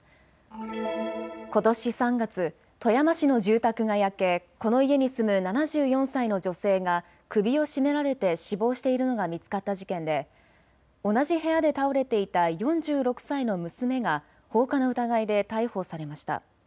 ことし３月、富山市の住宅が焼けこの家に住む７４歳の女性が首を絞められて死亡しているのが見つかった事件で同じ部屋で倒れていた４６歳の娘が放火の疑いで逮捕されました。